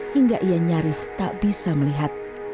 hingga ia nyaris tak bisa melihat